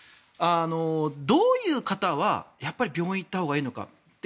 どういう方は病院に行ったほうがいいのか。